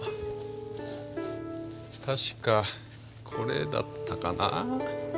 確かこれだったかな。